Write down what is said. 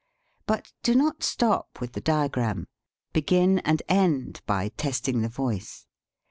But do not stop with the diagram. Begin and end by testing the voice.